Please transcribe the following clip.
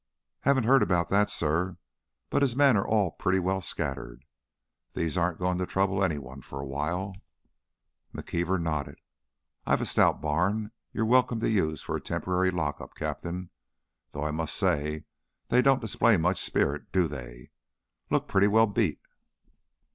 "Haven't heard about that, sir. But his men are pretty well scattered. These aren't going to trouble any one for a while." McKeever nodded. "I've a stout barn you're welcome to use for a temporary lockup, Captain. Though I must say they don't display much spirit, do they? Look pretty well beat."